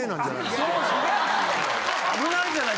危ないじゃない。